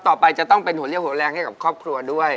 ต่อไปจะต้องเป็นหัวเลี่ยวหัวแรงให้กับครอบครัวด้วย